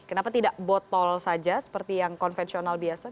kenapa tidak botol saja seperti yang konvensional biasa